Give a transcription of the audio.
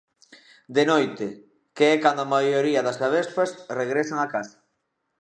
De noite, que é cando a maioría das avespas regresan á casa.